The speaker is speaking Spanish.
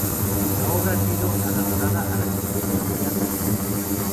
La obra ha sido adaptada a la televisión, teatro y cómic.